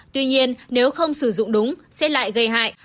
tuy nhiên nếu không sử dụng đúng sẽ lại gây hại